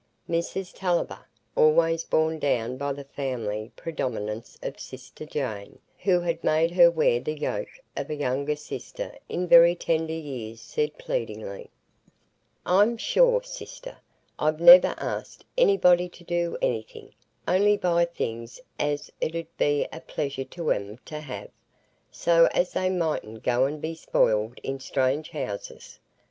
Mrs Tulliver, always borne down by the family predominance of sister Jane, who had made her wear the yoke of a younger sister in very tender years, said pleadingly: "I'm sure, sister, I've never asked anybody to do anything, only buy things as it 'ud be a pleasure to 'em to have, so as they mightn't go and be spoiled i' strange houses.